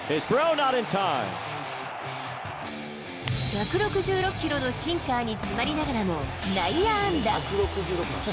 １６６キロのシンカーに詰まりながらも内野安打。